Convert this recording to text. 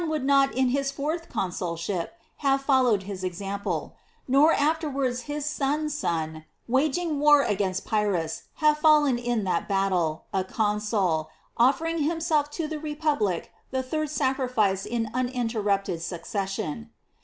u would not in his fourth consulship have fol lowed his example ; nor afterwards his son's son waging war against Pyrrhus" have fallen in that battle, a consul, offering himself to the Republic the third sacrifice in uninterrupted succession."